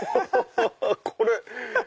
これ。